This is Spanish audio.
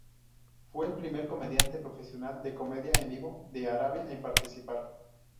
Fue el primer comediante profesional de comedia en vivo de Arabia en participar.